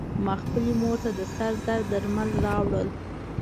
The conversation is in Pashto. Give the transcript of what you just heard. ما خپلې مور ته د سر درد درمل راوړل .